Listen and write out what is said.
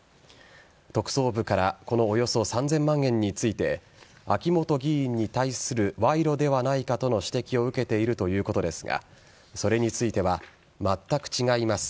特捜部からこのおよそ３０００万円について秋本議員に対する賄賂ではないかとの指摘を受けているということですがそれについては全く違います。